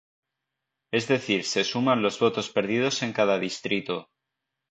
Es decir se suman los votos perdidos en cada distrito.